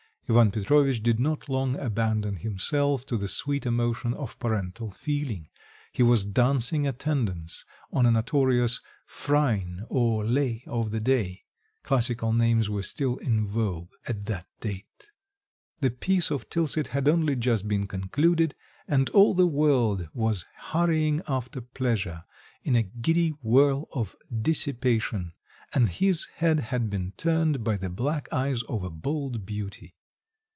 Ivan Petrovitch did not long abandon himself to the sweet emotion of parental feeling; he was dancing attendance on a notorious Phryne or Lais of the day (classical names were still in vogue at that date); the Peace of Tilsit had only just been concluded and all the world was hurrying after pleasure, in a giddy whirl of dissipation, and his head had been turned by the black eyes of a bold beauty.